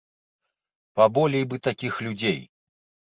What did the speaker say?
Паболей бы такіх людзей.